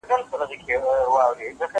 هغه وويل چي جواب ورکول مهم دي!